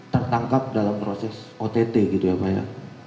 tertangkap dalam proses ott gitu ya pak ya